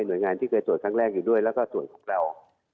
โดยงานที่เคยตรวจครั้งแรกอยู่ด้วยแล้วก็ส่วนของเรา